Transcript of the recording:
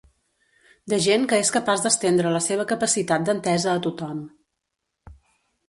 De gent que és capaç d’estendre la seva capacitat d’entesa a tothom.